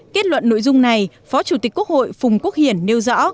kết luận nội dung này phó chủ tịch quốc hội phùng quốc hiển nêu rõ